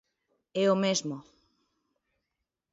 É o mesmo.